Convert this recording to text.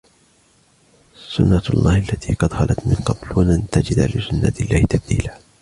سنة الله التي قد خلت من قبل ولن تجد لسنة الله تبديلا